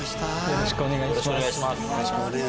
よろしくお願いします。